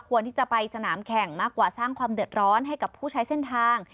ที่จะไปสนามแข่งมากกว่าสร้างความเดือดร้อนให้กับผู้ใช้เส้นทาง